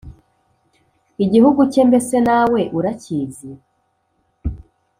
igihugu cye mbese nawe urakizi